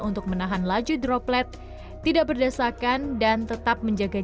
untuk menahan laju droplet tidak berdasarkan dan tetap menjaga